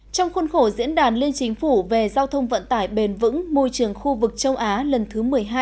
trong khuôn khổ diễn đàn liên chính phủ về giao thông vận tải bền vững môi trường khu vực châu á lần thứ một mươi hai